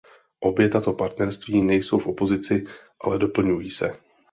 Obě tato partnerství nejsou v opozici, ale doplňují se.